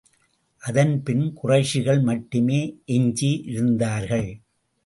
அதன்பின் குறைஷிகள் மட்டுமே எஞ்சி இருந்தார்கள்.